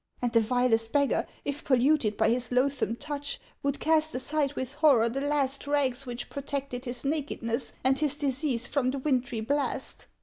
And the vilest beggar, if polluted by his loathsome touch, would cast aside with horror the last rags which protected his naked ness and his disease from the wintry blast